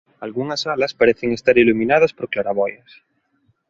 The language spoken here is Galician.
Algunhas salas parecen estar iluminadas por claraboias.